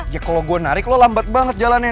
ya kalau gue narik lo lambat banget jalannya